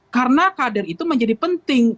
karena kader itu menjadi penting